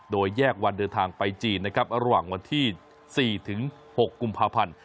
โดยแยกวันเดินทางไปจีนนะครับระหว่างวันที่๔๖กุมภาพันธ์